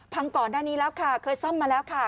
ก่อนหน้านี้แล้วค่ะเคยซ่อมมาแล้วค่ะ